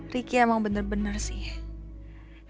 ricky emang bener bener sih